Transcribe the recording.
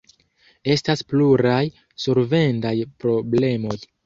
Estas pluraj solvendaj problemoj.